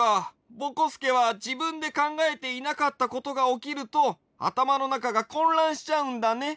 ぼこすけはじぶんでかんがえていなかったことがおきるとあたまのなかがこんらんしちゃうんだね。